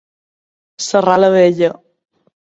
Serrar la vella.